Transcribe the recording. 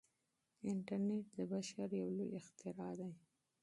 انټرنیټ د بشر یو لوی اختراع دی.